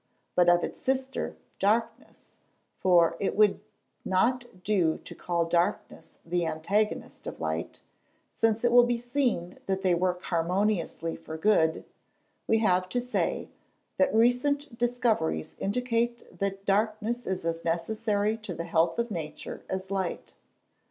But of its sister, Darkness for it would not do now to call darkness the antagonist of light, since it will be seen that they work harmoniously for good we have to say, that recent discoveries indicate that darkness is as necessary to the health of nature as light.